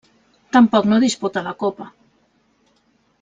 Tampoc no disputa la Copa.